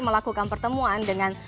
melakukan pertemuan dengan